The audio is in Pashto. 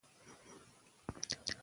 غابي پوه شو چې ملګری یې روژه نیولې ده.